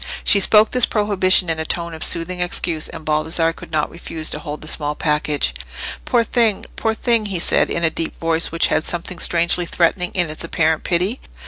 She spoke this prohibition in a tone of soothing excuse, and Baldassarre could not refuse to hold the small package. "Poor thing! poor thing!" he said, in a deep voice which had something strangely threatening in its apparent pity.